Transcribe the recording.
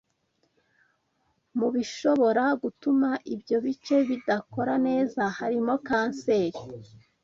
Mu bishobora gutuma ibyo bice bidakora neza harimo kanseri